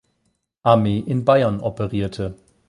Armee in Bayern operierte.